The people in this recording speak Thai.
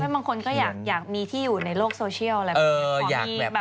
บางคนก็อยากมีที่อยู่ในโลกโซเชียล